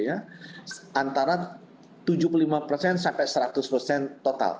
antara tujuh puluh lima persen sampai seratus persen total